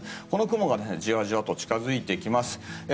この雲がじわじわと近づいてきます。